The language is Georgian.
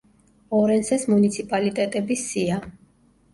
ორენსეს მუნიციპალიტეტების სია.